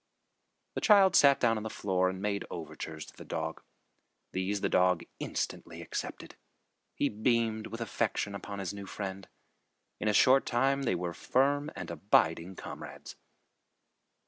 The child sat down on the floor and made overtures to the dog. These the dog instantly accepted. He beamed with affection upon his new friend. In a short time they were firm and abiding comrades.